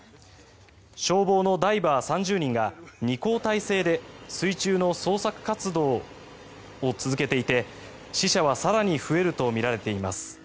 消防のダイバー３０人が２交代制で水中の捜索活動を続けていて死者は更に増えるとみられています。